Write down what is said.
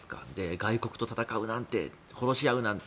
外国と戦う、殺し合うなんて。